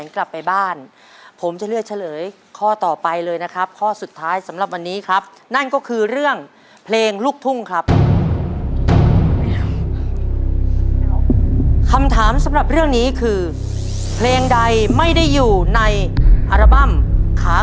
ขอเลือกตัวเลือกที่๓เรื่องชิวค่ะ